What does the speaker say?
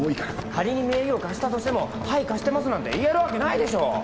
仮に名義を貸したとしても「はい貸してます」なんて言えるわけないでしょう。